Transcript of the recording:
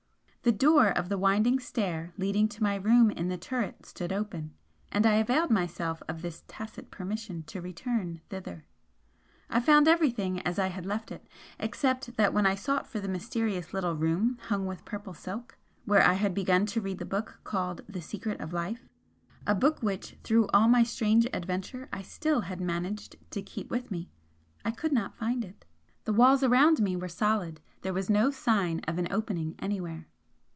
The door of the winding stair leading to my room in the turret stood open and I availed myself of this tacit permission to return thither. I found everything as I had left it, except that when I sought for the mysterious little room hung with purple silk, where I had begun to read the book called 'The Secret of Life,' a book which through all my strange adventure I still had managed to keep with me, I could not find it. The walls around me were solid; there was no sign of an opening anywhere.